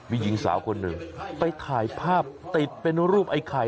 มีหญิงสาวคนหนึ่งไปถ่ายภาพติดเป็นรูปไอ้ไข่